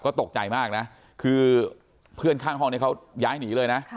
ก็ตกใจมากนะคือเพื่อนข้างห้องนี้เขาย้ายหนีเลยนะ